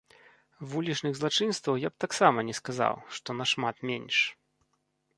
Вулічных злачынстваў я б таксама не сказаў, што нашмат менш.